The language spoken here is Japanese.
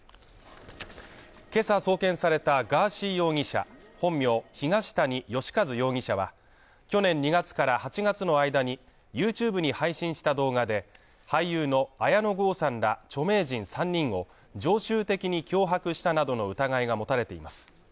けさ送検されたガーシー容疑者本名東谷義和容疑者は去年２月から８月の間に、ＹｏｕＴｕｂｅに配信した動画で、俳優の綾野剛さんら著名人３人を常習的に脅迫したなどの疑いが持たれています